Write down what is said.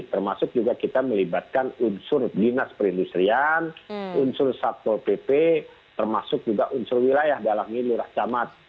termasuk juga kita melibatkan unsur dinas perindustrian unsur satpol pp termasuk juga unsur wilayah dalam ini lurah camat